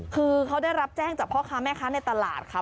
คือเขาได้รับแจ้งจากพ่อค้าแม่ค้าในตลาดค่ะ